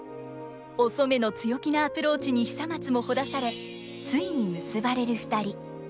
お染の強気なアプローチに久松もほだされついに結ばれる２人。